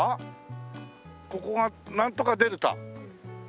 ここがなんとかデルタ？